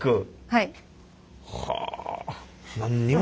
はい。